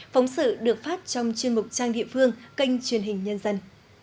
phóng sự được phát trong chuyên mục trang địa phương kênh truyền hình nhân dân